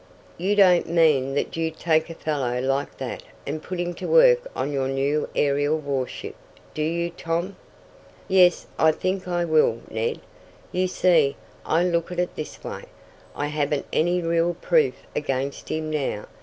"You don't mean that you'd take a fellow like that and put him to work on your new aerial warship, do you, Tom?" "Yes, I think I will, Ned. You see, I look at it this way: I haven't any real proof against him now.